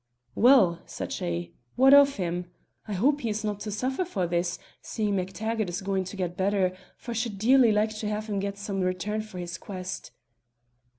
"Well!" said she, "what of him? I hope he is not to suffer for this, seeing MacTaggart is going to get better, for I should dearly like to have him get some return for his quest."